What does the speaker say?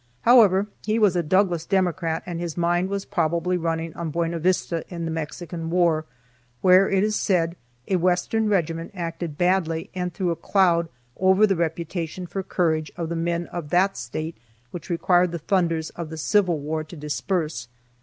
However, he was a Douglas Democrat, and his mind was probably running on Buena Vista, in the Mexican war, where, it is said, a Western regiment acted badly, and threw a cloud over the reputation for courage of the men of that State which required the thunders of the Civil War to disperse.